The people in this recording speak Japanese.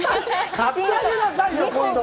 買ってあげなさいよ、今度は。